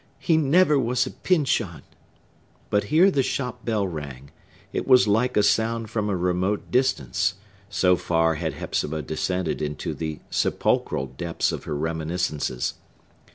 He never was a Pyncheon!" But here the shop bell rang; it was like a sound from a remote distance,—so far had Hepzibah descended into the sepulchral depths of her reminiscences.